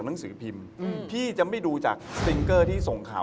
ขึ้นโหดจิกอะ